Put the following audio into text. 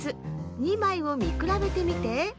２まいをみくらべてみて。